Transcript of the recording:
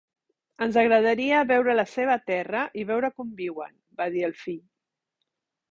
"Ens agradaria veure la seva terra i veure com viuen", va dir el fill.